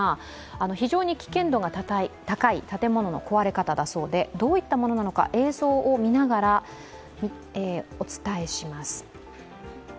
非常に危険度が高い建物の壊れ方だそうで、どういったものなのか映像を見ながらお伝えします。